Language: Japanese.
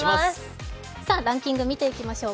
ランキング、見ていきましょう。